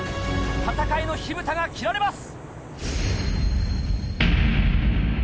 戦いの火ぶたが切られます。